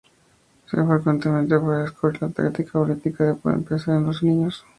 Se usa frecuentemente para describir la táctica política del "pueden pensar en los niños?